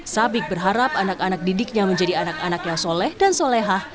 sabik berharap anak anak didiknya menjadi anak anak yang soleh dan solehah